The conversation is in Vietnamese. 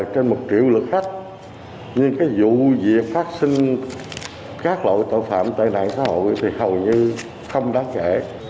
trên một triệu lượt khách nhưng cái vụ việc phát sinh các loại tội phạm tệ nạn xã hội thì hầu như không đáng kể